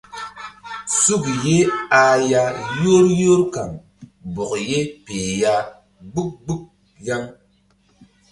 Suk ye ah ya yor yor kaŋ bɔk ye peh ya mgbuk mgbuk yaŋ.